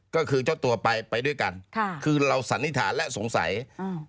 ก็คือเจ้าตัวไปไปด้วยกันค่ะคือเราสันนิษฐานและสงสัยอ่า